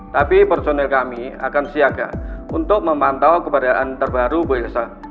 tapi personil kami akan siaga untuk memantau keberadaan terbaru bu elsa